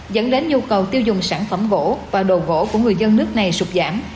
dẫn đến nhu cầu tiêu dùng sản phẩm gỗ và đồ gỗ của người dân nước này sụp giảm